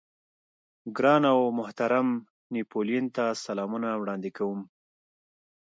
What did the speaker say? ګران او محترم نيپولېين ته سلامونه وړاندې کوم.